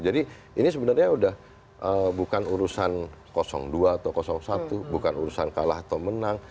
jadi ini sebenarnya udah bukan urusan dua atau satu bukan urusan kalah atau menang